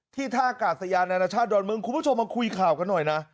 ท่ากาศยานานาชาติดอนเมืองคุณผู้ชมมาคุยข่าวกันหน่อยนะ